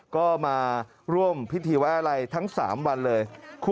ก็มาร่วมพิธีไว้อะไรทั้ง๓วันเลย